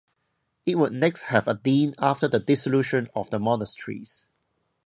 It would next have a dean after the Dissolution of the Monasteries.